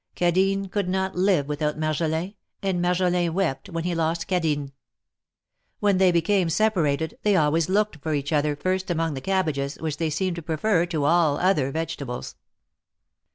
Cadine could not live without Marjolin, and Marjolin wept when he lost Cadine. When 186 THE MARKETS OF PARIS. they became separated they always looked for each other first among the cabbages, which they seemed to prefer to all other vegetables.